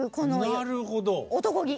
なるほど。